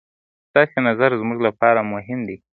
ستاسې نظر زموږ لپاره مهم دی.